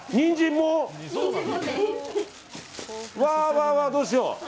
わー、どうしよう。